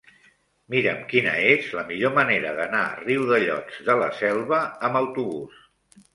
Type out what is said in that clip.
Mira'm quina és la millor manera d'anar a Riudellots de la Selva amb autobús.